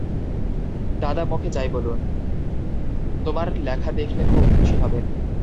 দাদা মুখে যাই বলুন, তোমার লেখা দেখলে খুব খুশি হবেন।